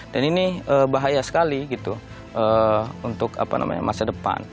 dan ini bahaya sekali untuk masa depan